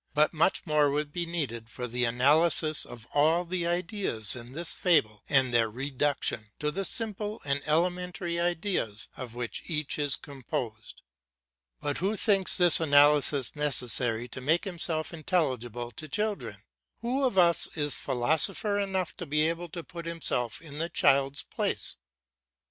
but much more would be needed for the analysis of all the ideas in this fable and their reduction to the simple and elementary ideas of which each is composed. But who thinks this analysis necessary to make himself intelligible to children? Who of us is philosopher enough to be able to put himself in the child's place?